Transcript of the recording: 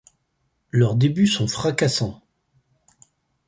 Leurs débuts sont fracassants.